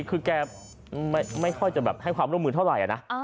คือแกไม่ค่อยจะแบบให้ความร่วมมือเท่าไหร่นะ